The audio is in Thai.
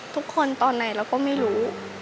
ทุกคนตอนไหนเราก็ไม่รู้